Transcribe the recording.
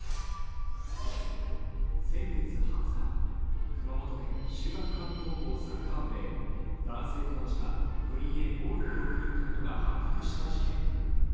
先月２０日、熊本県秀岳館高校サッカー部で、男性コーチが部員へ暴力を振るったことが発覚した事件。